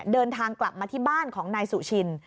เดินทางกลับมาที่บ้านของนายสุชิน